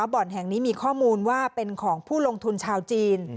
บ่อนแห่งนี้มีข้อมูลว่าเป็นของผู้ลงทุนชาวจีน